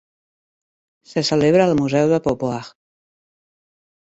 Se celebra al museu de Beauvoir.